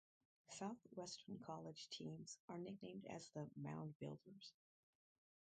Southwestern College teams are nicknamed as the Moundbuilders.